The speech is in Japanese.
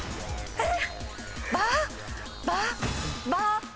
えっ？